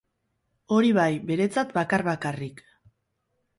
Hori bai, beretzat bakar-bakarrik.